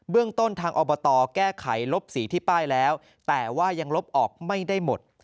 เรื่องต้นทางอบตแก้ไขลบสีที่ป้ายแล้วแต่ว่ายังลบออกไม่ได้หมด